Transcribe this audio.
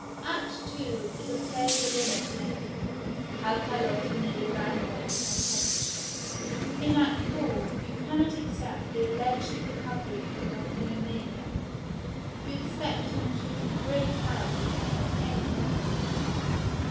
Act II. is a play within a play ; how Carlotta nearly ran away with her publisher. In Aet IV. you cannot accept the alleged recovery of the morphinomaniac, you expect him to " break out " again at any moment.